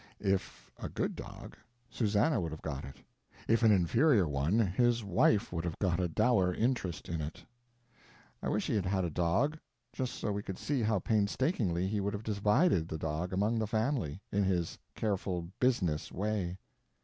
If a good dog, Susanna would have got it; if an inferior one his wife would have got a dower interest in it. I wish he had had a dog, just so we could see how painstakingly he would have divided that dog among the family, in his careful business way.